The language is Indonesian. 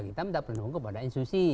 kita minta perlindungan kepada institusi